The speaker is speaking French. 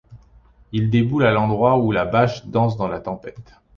Ils déboulent à l'endroit où la bâche danse dans la tempête.